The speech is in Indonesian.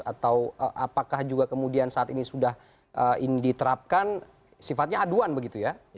atau apakah juga kemudian saat ini sudah diterapkan sifatnya aduan begitu ya